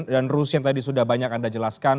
dan rusia yang tadi sudah banyak anda jelaskan